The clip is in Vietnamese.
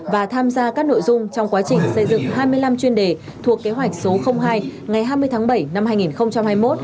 và tham gia các nội dung trong quá trình xây dựng hai mươi năm chuyên đề thuộc kế hoạch số hai ngày hai mươi tháng bảy năm hai nghìn hai mươi một